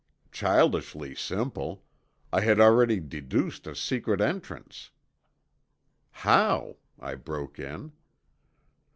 "Childishly simple. I had already deduced a secret entrance." "How?" I broke in.